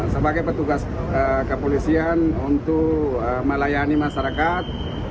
sebagai petugas kepolisian untuk melayani masyarakat